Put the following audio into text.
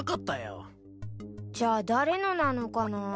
じゃあ誰のなのかな？